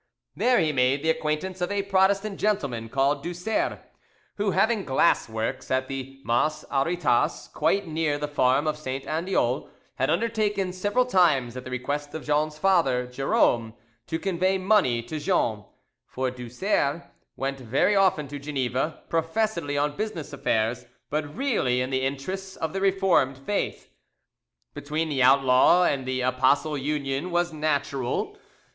There he made the acquaintance of a Protestant gentleman called Du Serre, who having glass works at the Mas Arritas, quite near the farm of St. Andeol, had undertaken several times, at the request of Jean's father, Jerome, to convey money to Jean; for Du Serre went very often to Geneva, professedly on business affairs, but really in the interests of the Reformed faith. Between the outlaw and the apostle union was natural.